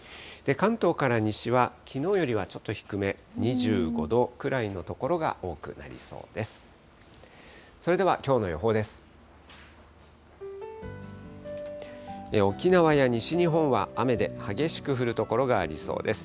関東から西は、きのうよりはちょっと低め、２５度くらいの所が多くなりそうです。